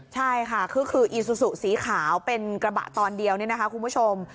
ใช่ค่ะคืออีซูซูสีขาวเป็นกระบะตอนเดียวนี่นะคะคุณผู้ชม